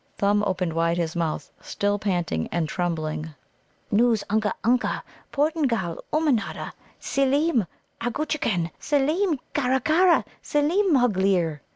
Thumb opened wide his mouth, still panting and trembling. "Noos unga unka, Portingal, Ummanodda. Seelem arggutchkin! Seelem! kara, kara! Seelem mugleer!"